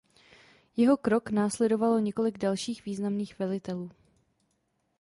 Jeho krok následovalo několik dalších významných velitelů.